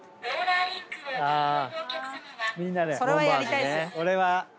それはやりたいです。